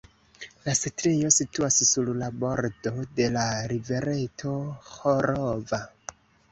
La setlejo situas sur la bordo de la rivereto "Ĥolova".